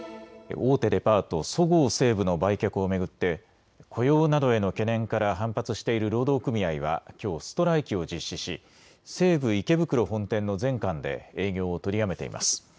大手デパート、そごう・西武の売却を巡って雇用などへの懸念から反発している労働組合はきょう、ストライキを実施し西武池袋本店の全館で営業を取りやめています。